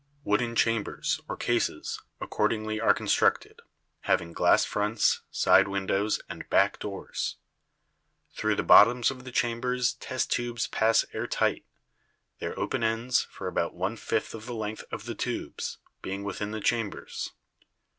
Wooden chambers, or cases, accord ingly are constructed, having glass fronts, side windows and back doors. Through the bottoms of the chambers test tubes pass air tight; their open ends, for about one fifth of the length of the tubes, being within the chambers.